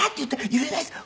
「言えないです」